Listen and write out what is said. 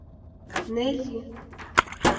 — Нелли?